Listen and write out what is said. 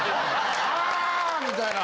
あ！みたいな。